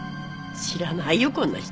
知らないよこんな人。